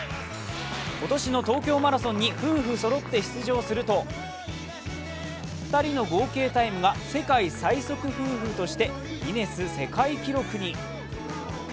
今年の東京マラソンに夫婦そろって出場すると２人の合計タイムが世界最速夫婦としてギネス世界記録に。